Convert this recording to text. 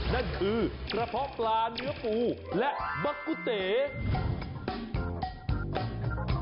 นั่นคือกระเพาะปลาเนื้อปูและมะกุเต